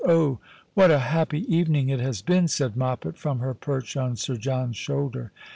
" Oh, ^^ hat a happy evening it has been !" said Moppet from her perch on Sir John's shoulder.